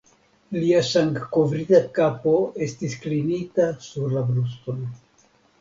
Lia sangkovrita kapo estis klinita sur la bruston.